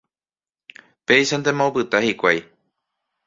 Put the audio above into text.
Péichantema opyta hikuái.